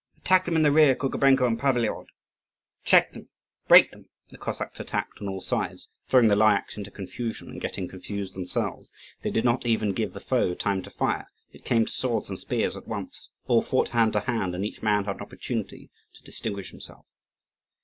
Attack them in the rear, Kukubenko and Palivod! Check them, break them!" The Cossacks attacked on all sides, throwing the Lyakhs into confusion and getting confused themselves. They did not even give the foe time to fire, it came to swords and spears at once. All fought hand to hand, and each man had an opportunity to distinguish himself.